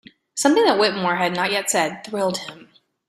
Something that Whittemore had not yet said thrilled him.